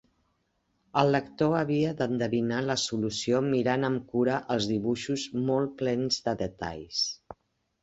El lector havia d'endevinar la solució mirant amb cura els dibuixos molt plens de detalls.